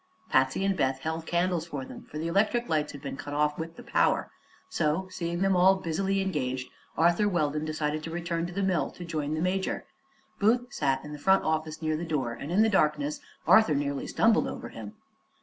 Patsy and Beth held candles for them, for the electric lights had been cut off with the power; so, seeing them all busily engaged, Arthur Weldon decided to return to the mill to join the Major. Booth sat in the front office, near the door, and in the darkness Arthur nearly stumbled over him.